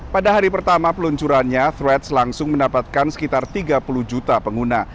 pada hari pertama peluncurannya freds langsung mendapatkan sekitar tiga puluh juta pengguna